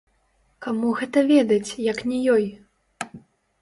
Каму гэта ведаць, як не ёй.